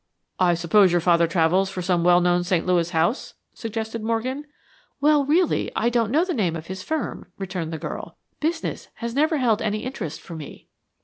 "I suppose your father travels for some well known St. Louis house?" suggested Morgan. "Well, really, I don't know the name of his firm," returned the girl. "Business has never held any interest for me."